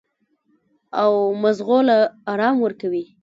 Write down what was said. او مزغو له ارام ورکوي -